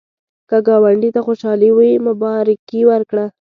که ګاونډي ته خوشالي وي، مبارکي ورکړه